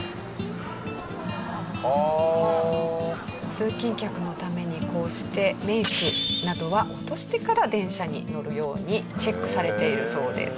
通勤客のためにこうしてメイクなどは落としてから電車に乗るようにチェックされているそうです。